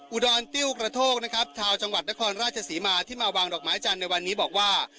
อุดรติ้วกระโทกนะครับชาวจังหวัดนครราชศรีมาที่มาวางดอกไม้จันทร์ในวันนี้บอกว่า